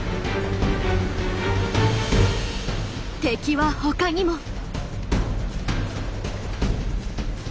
敵は他にも。